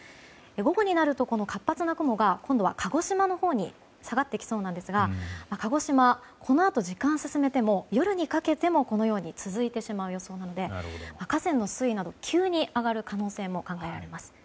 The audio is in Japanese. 午後になるとこの活発な雲が今度は鹿児島のほうに下がってきそうなんですが鹿児島はこのあと時間を進めても夜にかけてもこのように続いてしまう予想なので河川の水位など、急に上がる可能性も考えられます。